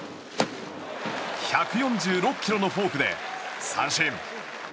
１４６キロのフォークで三振。